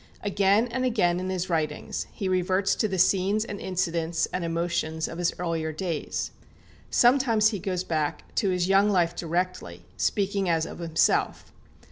Again and again in his writings he reverts to the scenes and incidents and emotions of his earlier days. Sometimes he goes back to his young life directly, speaking as of himself.